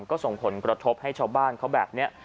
ก็ส่งผลกระทบให้ชาวบ้านเขาแบบนี้